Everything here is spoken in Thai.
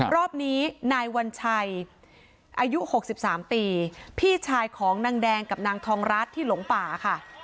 รอบนี้นายวัญชัยอายุ๖๓ปีพี่ชายของนางแดงกับนางทองรัฐที่หลงป่าค่ะ